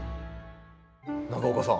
長岡さん